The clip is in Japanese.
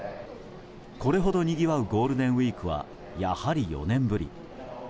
これほどにぎわうゴールデンウィークはやはり４年ぶり。